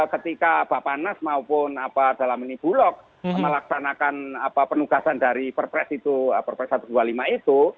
ketika bapak nas maupun dalam ini bulog melaksanakan penugasan dari perpres itu perpres satu ratus dua puluh lima itu